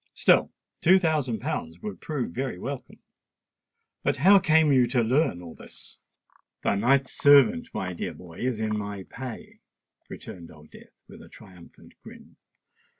Still two thousand pounds would prove very welcome. But how came you to learn all this?" "The knight's servant, my dear boy, is in my pay," returned Old Death, with a triumphant grin.